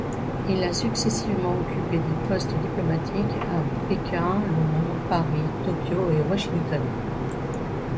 Il a successivement occupé des postes diplomatiques à Pékin, Londres, Paris, Tokyo et Washington.